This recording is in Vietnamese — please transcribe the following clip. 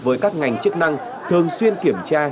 với các ngành chức năng thường xuyên kiểm tra